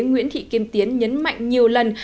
nguyễn thị kim tiến nhấn mạnh nhiều lần